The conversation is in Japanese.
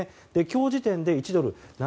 今日時点で１ドル＝７９